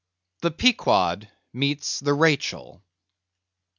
The Pequod Meets The Rachel.